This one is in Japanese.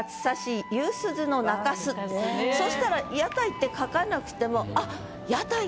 そしたら「屋台」って書かなくても。